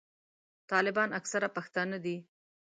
طالبان اکثره پښتانه دي.